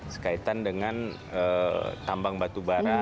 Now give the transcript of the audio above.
sekaitan dengan tambang batubara